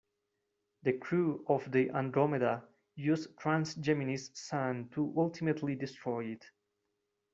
The crew of the "Andromeda" used Trance Gemini's sun to ultimately destroy it.